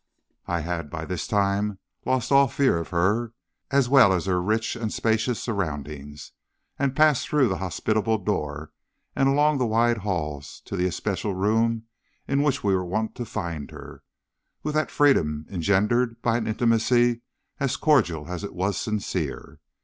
"I had by this time lost all fear of her, as well as of her rich and spacious surroundings, and passed through the hospitable door and along the wide halls to the especial room in which we were wont to find her, with that freedom engendered by an intimacy as cordial as it was sincere.